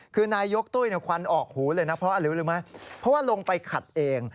คือนายยกต้วยควันออกหูเลยนะเพราะลองไปขัดเอง